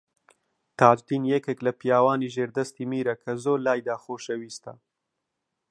تاجدین یەکێک لە پیاوانی ژێردەستی میرە کە زۆر لایدا خۆشەویستە